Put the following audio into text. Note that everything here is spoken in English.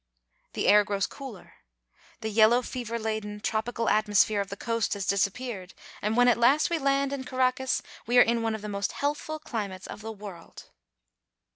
The air grows cooler. The yellow fever laden, tropi cal atmosphere of the coast has disappeared, and when at last we land in Caracas we are in one of the most health ful chmates of the world.